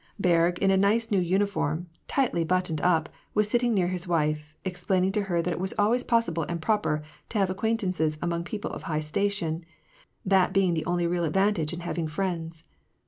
Berg in a nice new uniform, tightly but toned up, was sitting near his wife, explaining to her that it was always possible and proper to have acquaintances among people of high station, that being the only real advantage in having friends.